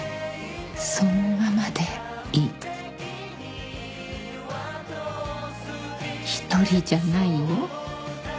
「そのままでいい」「一人じゃないよ」